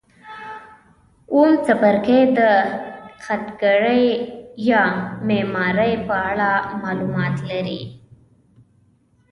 اووم څپرکی د خټګرۍ یا معمارۍ په اړه معلومات لري.